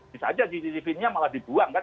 bisa aja cctv nya malah dibuang kan